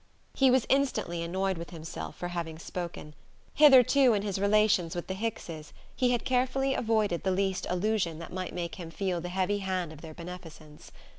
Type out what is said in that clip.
He was instantly annoyed with himself for having spoken. Hitherto in his relations with the Hickses he had carefully avoided the least allusion that might make him feel the heavy hand of their beneficence.